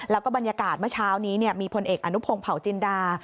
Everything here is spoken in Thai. แล้วก็บรรยากาศเมื่อเช้านี้มีพลเอกอนุพงศ์เผาจินดา